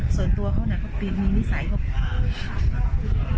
ส่วนตัวเขามีนิสัยของเขา